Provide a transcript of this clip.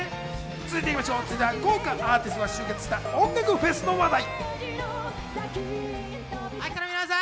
続いては豪華アーティストが集結した音楽フェスの話題。